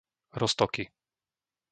Roztoky